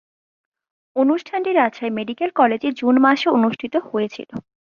অনুষ্ঠানটি রাজশাহী মেডিকেল কলেজে জুন মাসে অনুষ্ঠিত হয়েছিলো।